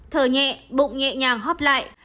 thở nhẹ bụng nhẹ nhàng hóp lại